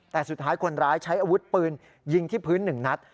แต่สุดท้ายคนร้ายใช้อาวุธปืนยิงที่พื้น๑นัด